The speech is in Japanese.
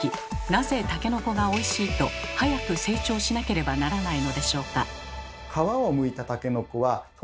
なぜタケノコがおいしいと早く成長しなければならないのでしょうか？